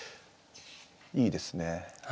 いいですね。